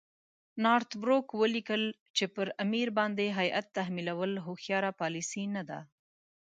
نارت بروک ولیکل چې پر امیر باندې هیات تحمیلول هوښیاره پالیسي نه ده.